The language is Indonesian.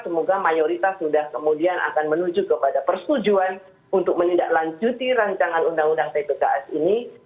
semoga mayoritas sudah kemudian akan menuju kepada persetujuan untuk menindaklanjuti rancangan undang undang tpks ini